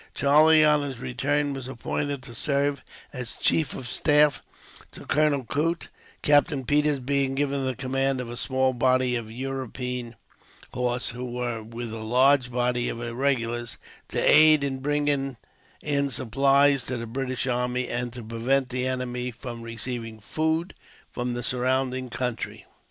Charlie, on his return, was appointed to serve as chief of the staff to Colonel Coote; Captain Peters being given the command of a small body of European horse, who were, with a large body of irregulars, to aid in bringing in supplies to the British army, and to prevent the enemy from receiving food from the surrounding country.